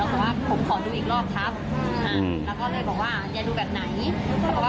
แล้วก็ว่าผมขอดูอีกรอบครับอืมค่ะแล้วก็เลยบอกว่า